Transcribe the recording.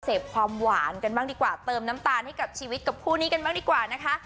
ความหวานกันบ้างดีกว่าเติมน้ำตาลให้กับชีวิตกับคู่นี้กันบ้างดีกว่านะคะ